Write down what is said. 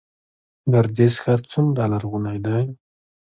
ګردیز ښار څومره لرغونی دی؟